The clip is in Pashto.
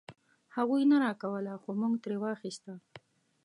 هغوی نه راکوله خو مونږ ترې واخيسته.